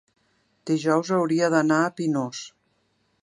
dijous hauria d'anar a Pinós.